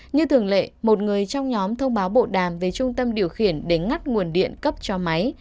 như thường lệ một người trong nhóm thông báo bộ đàm về trung tâm điều khiển để ngắt nguồn điện cấp cho máy